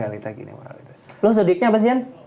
lo zodiacnya apa sih rian